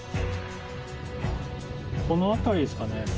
この辺りですかね？